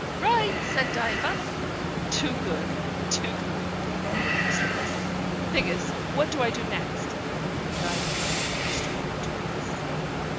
"Right," said Diva. "Too good too kind," murmured Mr. Wyse. "Figgis, what do I do next?" Diva clapped the instrument into place.